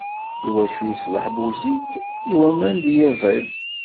I wacu iṣleḥ Buzid? i waman d yiẓid.